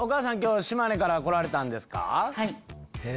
はい。